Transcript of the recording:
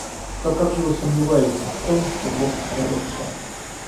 То как же вы сомневаетесь в том, что Бог сотворил всё?